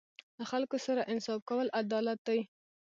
له خلکو سره انصاف کول عدالت دی.